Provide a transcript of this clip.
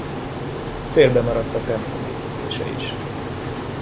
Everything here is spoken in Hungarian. Félbemaradt a templom építése is.